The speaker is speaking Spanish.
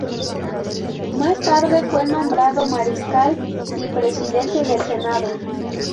Más tarde fue nombrado mariscal y presidente del Senado.